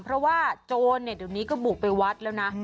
เพราะว่าโจรเดี๋ยวนี้ก็บุกไปวัดแล้วนะ